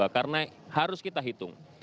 karena harus kita hitung